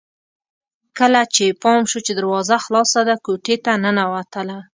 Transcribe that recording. کله چې يې پام شو چې دروازه خلاصه ده کوټې ته ننوتله